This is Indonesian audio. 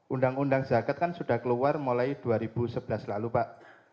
undang undang zakat kan sudah keluar mulai dua ribu sebelas lalu pak